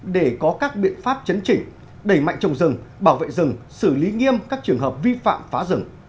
để có các biện pháp chấn chỉnh đẩy mạnh trồng rừng bảo vệ rừng xử lý nghiêm các trường hợp vi phạm phá rừng